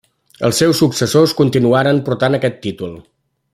Els seus successors continuaran portant aquest títol.